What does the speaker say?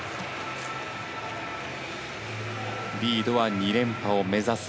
リードは２連覇を目指す